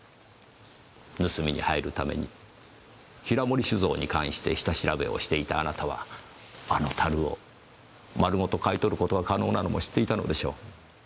盗みに入るために平森酒造に関して下調べをしていたあなたはあの樽を丸ごと買い取る事が可能なのも知っていたのでしょう。